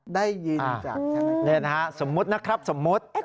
ได้ยินจากเล่นฮะสมมุตินะครับสมมุติ